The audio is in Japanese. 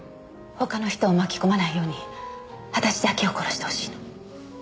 他の人を巻き込まないように私だけを殺してほしいの。